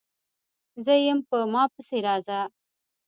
_زه يم، په ما پسې راځه!